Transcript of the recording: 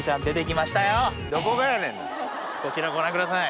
こちらご覧ください。